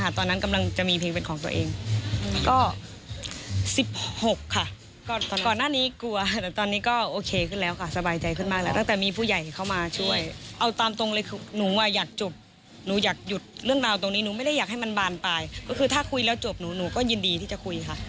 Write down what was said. ถ้าคุยแล้วจบหนูหนูก็ยินดีที่จะคุยค่ะ